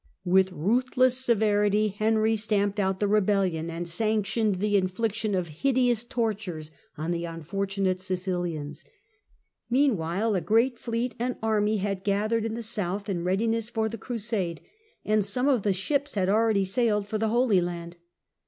With ruthless severity Henry 176 THE CENTRAL PERIOD OF THE MIDDLE AGE stamped out the rebellion, and sanctioned the infliction of hideous tortures on the unfortunate Sicilians. Meanwhile a great fleet and army had gathered in the south in readi ness for the Crusade, and some of the ships had already sailed for the Holy Land.